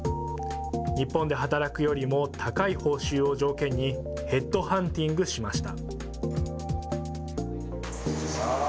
日本で働くよりも高い報酬を条件に、ヘッドハンティングしました。